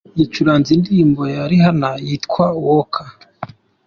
Yacuranze indirimbo ya Rihanna yitwa ‘Work’.